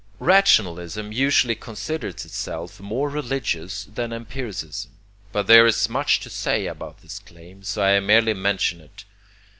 Rationalism usually considers itself more religious than empiricism, but there is much to say about this claim, so I merely mention it.